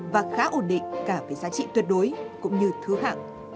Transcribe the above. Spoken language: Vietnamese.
và khá ổn định cả với giá trị tuyệt đối cũng như thứ hẳn